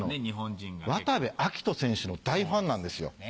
渡部暁斗選手の大ファンなんですよ。